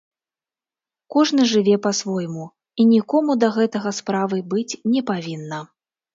Кожны жыве па-свойму, і нікому да гэтага справы быць не павінна.